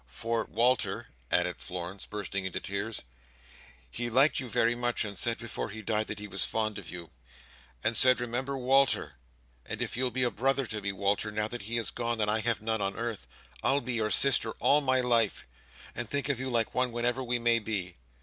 For, Walter," added Florence, bursting into tears, "he liked you very much, and said before he died that he was fond of you, and said 'Remember Walter!' and if you'll be a brother to me, Walter, now that he is gone and I have none on earth, I'll be your sister all my life, and think of you like one wherever we may be!